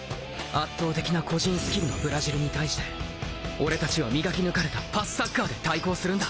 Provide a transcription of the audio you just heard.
圧倒的な個人スキルのブラジルに対して俺たちは磨き抜かれたパスサッカーで対抗するんだ。